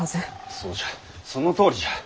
そうじゃそのとおりじゃ。